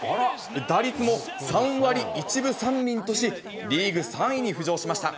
打率も３割１分３厘とし、リーグ３位に浮上しました。